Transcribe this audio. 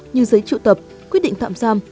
như giấy triệu tập quyết định tạm giam